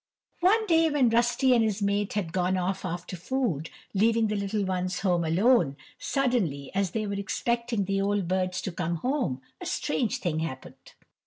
One day when Rusty and his mate had gone off after food, leaving the little ones home alone, suddenly, as they were expecting the old birds to come home, a strange thing happened.